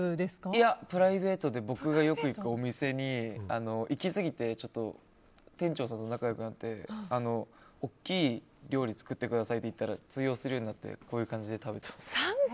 いや、プライベートで僕がよく行くお店に行き過ぎて店長さんと仲良くなって大きい料理作ってくださいと言ったら通用するようになってこういう感じで食べています。